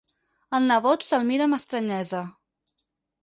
El nebot se'l mira amb estranyesa.